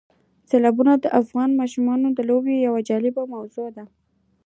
سیلابونه د افغان ماشومانو د لوبو یوه جالبه موضوع ده.